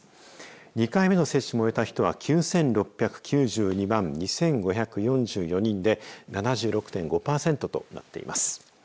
２回目の接種も終えた人は９６９２万２５４４人で７６．５パーセントとなっています。